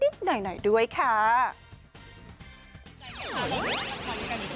ดีใจค่ะว่าคุณมากับคุณด้วยกันอีกแล้ว